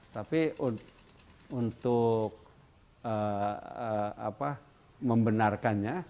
tapi untuk membenarkannya